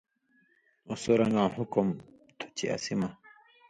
اُو سو رن٘گاں حُکم (قسم) تُھو چے اسِی مہ